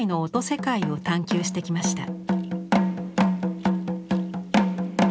世界を探求してきました。